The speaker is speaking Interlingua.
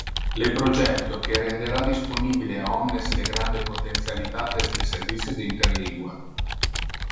Le projecto que rendera disponibile a omnes le grande potentialitates de servicio de interlingua.